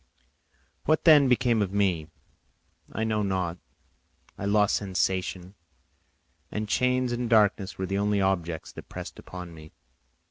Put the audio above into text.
What then became of me? I know not; I lost sensation, and chains and darkness were the only objects that pressed upon me.